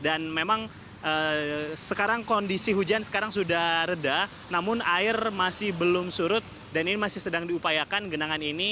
dan memang sekarang kondisi hujan sudah reda namun air masih belum surut dan ini masih sedang diupayakan genangan ini